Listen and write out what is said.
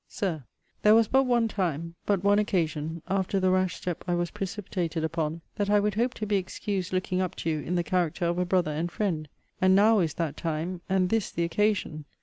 SIR, There was but one time, but one occasion, after the rash step I was precipitated upon, that I would hope to be excused looking up to you in the character of a brother and friend. And NOW is that time, and THIS the occasion.